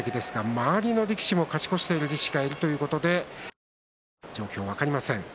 周りの力士も勝ち越している力士がいるということでまだ状況は分かりません。